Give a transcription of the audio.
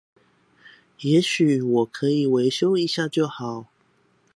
也許我可以維修一下就好